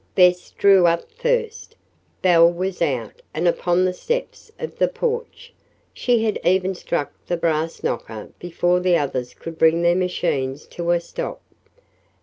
Bess drew up first. Belle was out, and upon the steps of the porch. She had even struck the brass knocker before the others could bring their machines to a stop.